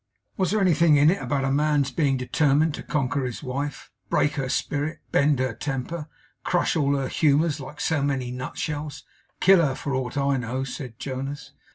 'Was there anything in it, about a man's being determined to conquer his wife, break her spirit, bend her temper, crush all her humours like so many nut shells kill her, for aught I know?' said Jonas.